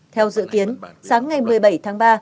theo dự kiến sáng ngày một mươi bảy tháng ba